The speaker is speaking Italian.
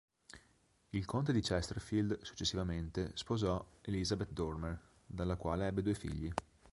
Il conte di Chesterfield, successivamente, sposò Elizabeth Dormer, dalla quale ebbe due figli.